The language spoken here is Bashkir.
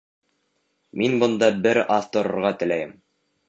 Мин бында бер аҙ торорға теләйем...